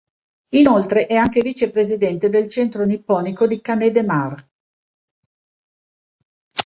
Inoltre è anche vice presidente del Centro nipponico di Canet de Mar.